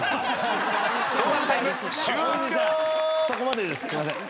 そこまでです。